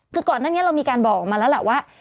คือก่อนหน้านี้เรามีการบอกมาแล้วแหละว่า